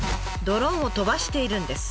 ドローンを飛ばしているんです。